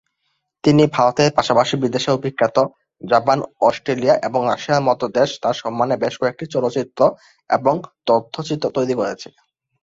তিনি ভারতের পাশাপাশি বিদেশেও বিখ্যাত; জাপান, অস্ট্রেলিয়া এবং রাশিয়ার মতো দেশ তাঁর সম্মানে বেশ কয়েকটি চলচ্চিত্র এবং তথ্যচিত্র তৈরি করেছে।